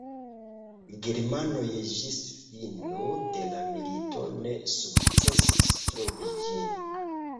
Germanoj ĝis fino de la milito ne sukcesis trovi ĝin.